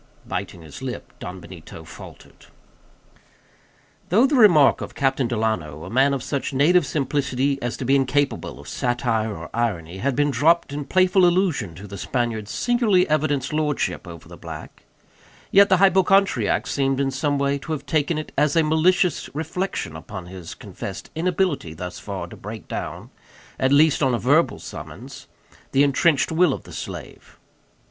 Biting his lip, Don Benito faltered. Though the remark of Captain Delano, a man of such native simplicity as to be incapable of satire or irony, had been dropped in playful allusion to the Spaniard's singularly evidenced lordship over the black; yet the hypochondriac seemed some way to have taken it as a malicious reflection upon his confessed inability thus far to break down, at least, on a verbal summons, the entrenched will of the slave.